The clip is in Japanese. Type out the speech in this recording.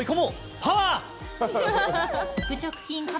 パワー！